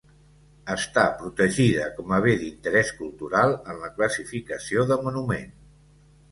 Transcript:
Està protegida com a bé d'interès cultural en la classificació de monument.